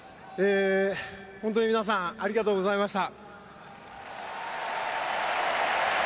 本当に皆さんありがとうございました。